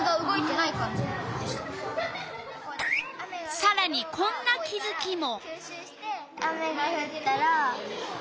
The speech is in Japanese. さらにこんな気づきも。